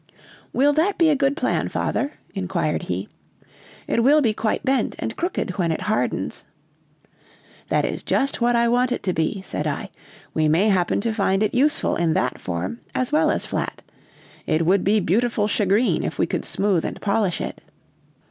"Will that be a good plan, father?" inquired he, "it will be quite bent and crooked when it hardens." "That is just what I want it to be," said I, "we may happen to find it useful in that form as well as flat. It would be beautiful shagreen if we could smooth and polish it."